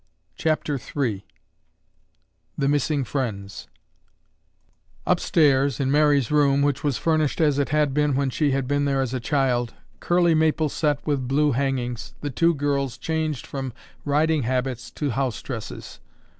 CHAPTER III THE MISSING FRIENDS Upstairs, in Mary's room which was furnished as it had been when she had been there as a child, curly maple set with blue hangings, the two girls changed from riding habits to house dresses.